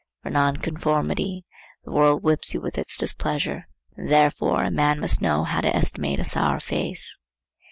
For nonconformity the world whips you with its displeasure. And therefore a man must know how to estimate a sour face.